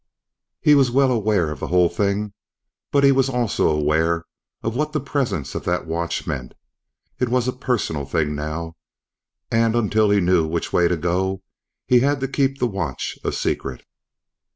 He was well aware of the whole thing, but he was also aware of what the presence of that watch meant. It was a personal thing now, and until he knew which way to go, he had to keep the watch a secret.